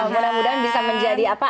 mudah mudahan bisa menjadi apa